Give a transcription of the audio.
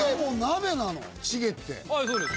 はいそうです